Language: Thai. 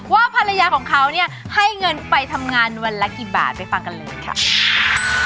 ว่าภรรยาของเขาเนี่ยให้เงินไปทำงานวันละกี่บาทไปฟังกันเลยค่ะ